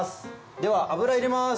では油入れます。